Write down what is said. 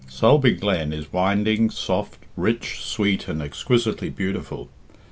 Sulby Glen is winding, soft, rich, sweet, and exquisitely beautiful.